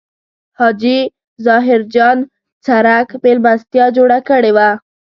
حاجي ظاهر جان څرک مېلمستیا جوړه کړې وه.